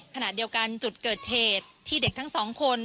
ขณะเดียวกันจุดเกิดเหตุที่เด็กทั้งสองคน